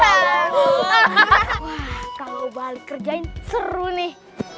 hahaha kalau balik kerjain seru nih